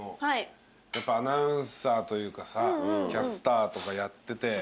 やっぱアナウンサーというかさキャスターとかやってて。